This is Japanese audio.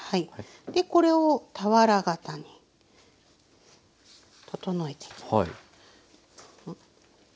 これを俵形に整えていきます。